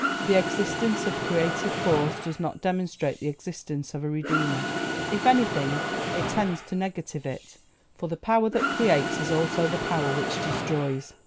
The existence of Creative Force does not demonstrate the existence of a Redeemer; if anything, it tends to negative it, for the power that creates is also the power which destroys.